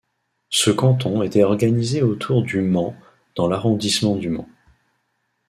Ce canton était organisé autour du Mans dans l'arrondissement du Mans.